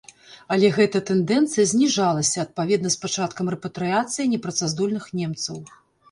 Але гэта тэндэнцыя зніжалася адпаведна з пачаткам рэпатрыяцыі непрацаздольных немцаў.